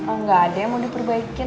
oh nggak ada yang mau diperbaikin